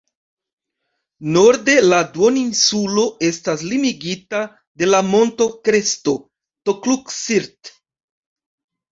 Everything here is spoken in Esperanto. Norde la duoninsulo estas limigita de la monto-kresto "Tokluk-Sirt".